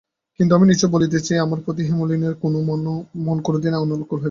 কিন্তু আমি নিশ্চয় বলিতেছি আমার প্রতি হেমনলিনীর মন কোনোদিন অনুকূল হইবে না।